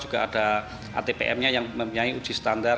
juga ada atpm nya yang mempunyai uji standar